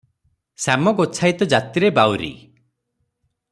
ଶ୍ୟାମ ଗୋଚ୍ଛାଇତ ଜାତିରେ ବାଉରୀ ।